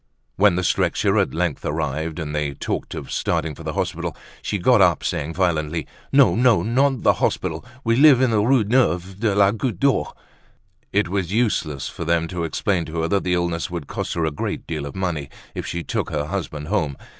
When the stretcher at length arrived, and they talked of starting for the hospital, she got up, saying violently: "No, no, not to the hospital! We live in the Rue Neuve de la Goutte d'Or." It was useless for them to explain to her that the illness would cost her a great deal of money, if she took her husband home.